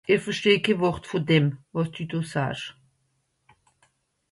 Ìch versteh kenn Wort vùn dem, wàs dü do saasch.